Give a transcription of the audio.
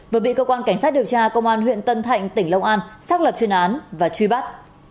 vừa bị cơ quan cảnh sát điều tra công an huyện tân thạnh tỉnh long an xác lập chuyên án và truy bắt